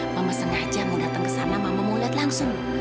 mama sengaja mau datang ke sana mau memulat langsung